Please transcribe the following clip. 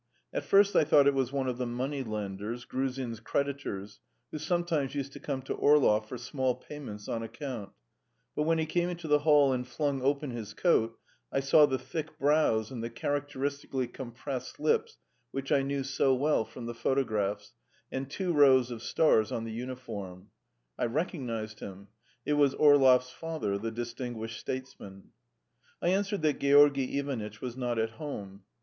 At first I thought it was one of the moneylenders, Gruzin's creditors, who sometimes used to come to Orlov for small payments on account; but when he came into the hall and flung open his coat, I saw the thick brows and the characteristically compressed lips which I knew so well from the photographs, and two rows of stars on the uniform. I recognised him: it was Orlov's father, the distinguished statesman. I answered that Georgy Ivanitch was not at home.